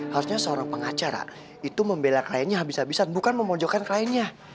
harusnya seorang pengacara itu membela kliennya habis habisan bukan memojokkan kliennya